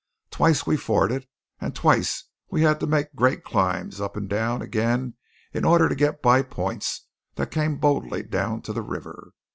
Twice we forded, and twice we had to make great climbs up and down again in order to get by points that came boldly down to the river.